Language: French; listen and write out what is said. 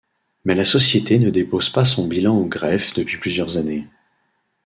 Mais la société ne dépose pas son bilan au greffe depuis plusieurs années.